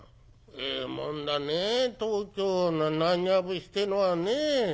「ええもんだね東京の浪花節ってのはね。